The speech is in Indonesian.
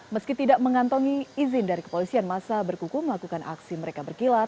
meski tidak mengantongi izin dari kepolisian masa berkuku melakukan aksi mereka berkilat